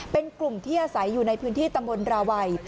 เป็นกลุ่มที่อาศัยอยู่ในพื้นที่ตำบลราวัย